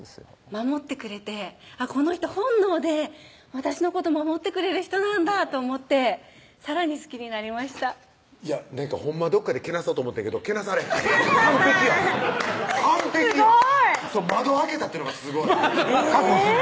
守ってくれてこの人本能で私のこと守ってくれる人なんだと思ってさらに好きになりましたいやなんかほんまはどっかでけなそうと思ってんけどけなされへん完璧やん完璧やん窓開けたっていうのがすごい確保すんね